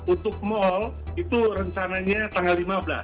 untuk mal itu rencananya tanggal lima belas